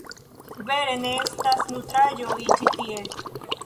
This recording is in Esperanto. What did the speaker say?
Vere ne estas nutraĵoj ĉi tie